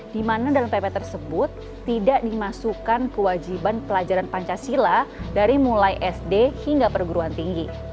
di mana dalam pp tersebut tidak dimasukkan kewajiban pelajaran pancasila dari mulai sd hingga perguruan tinggi